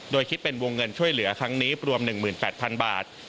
โดยคิดเป็นวงเงินช่วยเหลือครั้งนี้รวม๑๘๐๐๐บาท